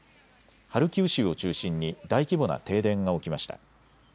ハルキウ州を中心に大規模な停電が起きました。